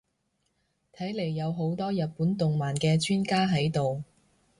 睇嚟有好多日本動漫嘅專家喺度